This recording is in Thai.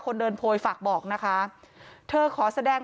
ความปลอดภัยของนายอภิรักษ์และครอบครัวด้วยซ้ำ